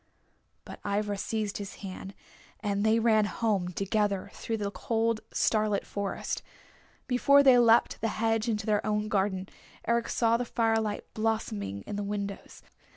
But Ivra seized his hand, and they ran home together through the cold, starlit forest. Before they leapt the hedge into their own garden Eric saw the firelight blossoming in the windows.